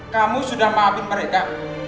kamu sudah maafin mereka